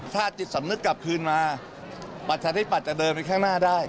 ถ้าจิตสำนึกกลับคืนมาประชาธิปัตยจะเดินไปข้างหน้าได้